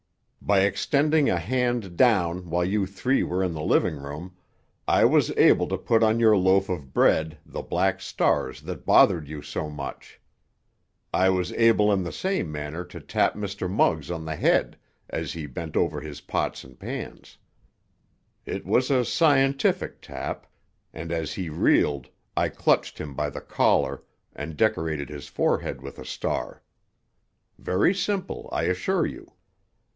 "By extending a hand down while you three were in the living room, I was able to put on your loaf of bread the black stars that bothered you so much. I was able in the same manner to tap Mr. Muggs on the head as he bent over his pots and pans. It was a scientific tap, and as he reeled I clutched him by the collar and decorated his forehead with a star. Very simple, I assure you.